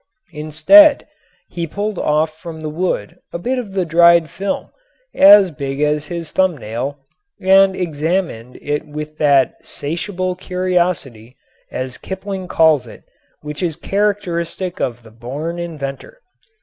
Instead he pulled off from the wood a bit of the dried film as big as his thumb nail and examined it with that "'satiable curtiosity," as Kipling calls it, which is characteristic of the born inventor.